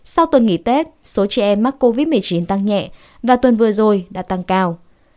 sau tuần nghỉ tết số trẻ em mắc covid một mươi chín tăng nhẹ và tuần vừa rồi đã tăng cao